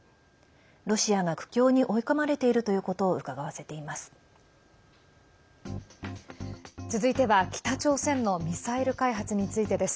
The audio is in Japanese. ロシアが苦境に追い込まれているということをうかがわせています。